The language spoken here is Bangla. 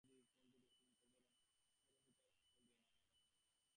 এ বাড়িতে যখন কোনো ঝগড়াঝাঁটি বাধে তখন নবীন সেটাকে সহজে মিটিয়ে দিতে পারে।